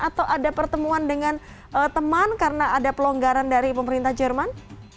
atau ada pertemuan dengan teman karena ada pelonggaran dari pemerintah jerman